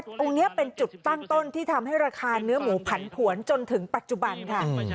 ตรงนี้เป็นจุดตั้งต้นที่ทำให้ราคาเนื้อหมูผันผวนจนถึงปัจจุบันค่ะ